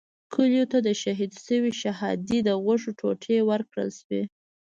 کلیوالو ته د شهید شوي شهادي د غوښو ټوټې ورکړل شوې.